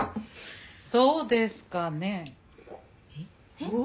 そうですかねえ。